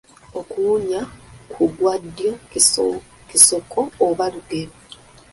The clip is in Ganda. Okuwunya ku gwa ddyo kisoko oba lugero?